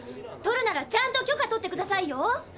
とるならちゃんと許可取ってくださいよ。